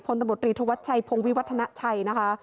ตำรวจรีธวัชชัยพงวิวัฒนาชัยนะคะ